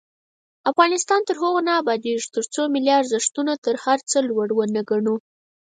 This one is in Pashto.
افغانستان تر هغو نه ابادیږي، ترڅو ملي ارزښتونه تر هر څه لوړ ونه ګڼو.